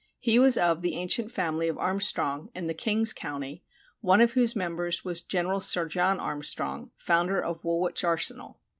He was of the ancient family of Armstrong in the King's county, one of whose members was General Sir John Armstrong, founder of Woolwich arsenal.